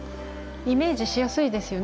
イメージしやすいですよね。